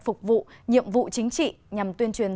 phục vụ nhiệm vụ chính trị nhằm tuyên truyền